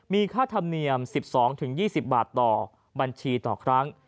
มีค่าธรรมเนียม๑๒๒๐บาทต่อบัญชีต่อครั้ง